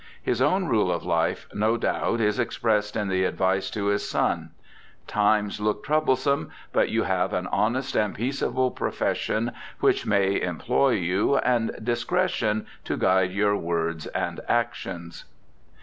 His own rule of life, no doubt, is expressed in the advice to his son :* Times look troublesome, but you have an honest and peaceable profession which may employ you, and discretion to guide your words and actions.'